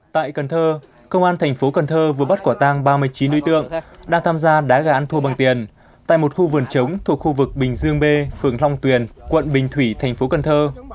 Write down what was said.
tại cần thơ công an thành phố cần thơ vừa bắt quả tang ba mươi chín đối tượng đang tham gia đá gà ăn thua bằng tiền tại một khu vườn chống thuộc khu vực bình dương b phường long tuyền quận bình thủy thành phố cần thơ